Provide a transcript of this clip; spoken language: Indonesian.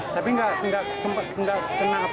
tapi enggak kena apa apa gitu